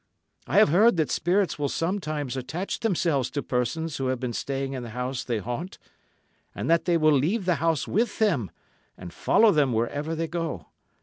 I have heard that spirits will sometimes attach themselves to persons who have been staying in the house they haunt, and that they will leave the house with them and follow them wherever they go.